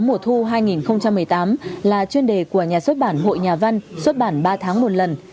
mùa thu hai nghìn một mươi tám là chuyên đề của nhà xuất bản hội nhà văn xuất bản ba tháng một lần